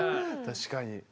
確かに。